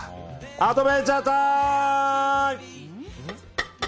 アドベンチャータイム！